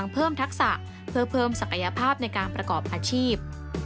เพื่อเพิ่มศักยภาพในการประกอบอาชีพ